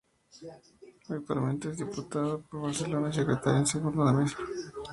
Actualmente es diputado por Barcelona y Secretario segundo de la Mesa del Parlament.